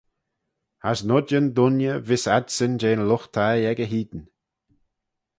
As noidjyn dooinney vees adsyn jeh'n lught-thie echey hene.